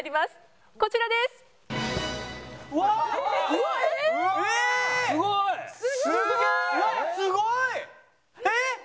すごい！